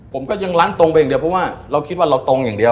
ผมก็ยังลั้นตรงไปอย่างเดียวเพราะว่าเราคิดว่าเราตรงอย่างเดียว